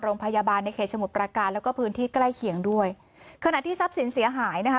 โรงพยาบาลในเขตสมุทรประการแล้วก็พื้นที่ใกล้เคียงด้วยขณะที่ทรัพย์สินเสียหายนะคะ